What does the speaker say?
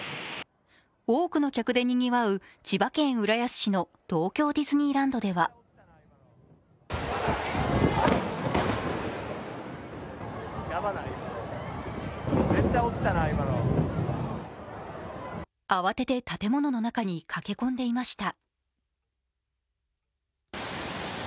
多くの客でにぎわう千葉県浦安市の東京ディズニーランドでは慌てて建物の中に駆け込んでいました。